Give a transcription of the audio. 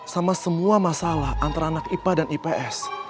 sama semua masalah antara anak ipa dan ips